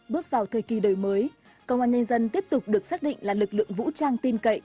bước vào thời kỳ đời mới công an nhân dân tiếp tục được xác định là lực lượng vũ trang tin cậy